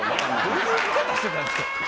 どういう見方してたんですか？